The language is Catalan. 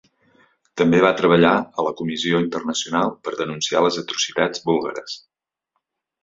També va treballar a la Comissió Internacional per denunciar les atrocitats búlgares.